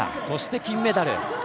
そして金メダル。